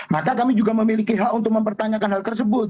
maka kami juga memiliki hak untuk mempertanyakan hal tersebut